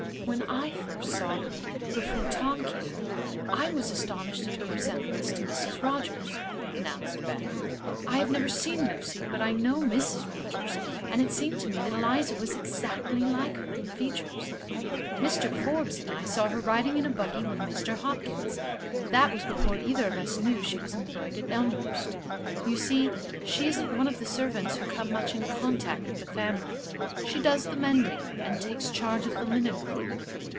"When I first saw her, before Tom came, I was astonished at her resemblance to Mrs. Rogers," announced Beth. "I have never seen Lucy, but I know Mrs. Rogers, and it seemed to me that Eliza was exactly like her in features. Mr. Forbes and I first saw her riding in a buggy with Mr. Hopkins. That was before either of us knew she was employed at Elmhurst. You see she isn't one of the servants who come much in contact with the family; she does the mending and takes charge of the linen room."